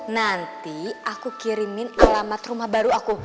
nanti aku kirimin alamat rumah baru aku